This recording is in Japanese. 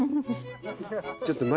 ちょっと。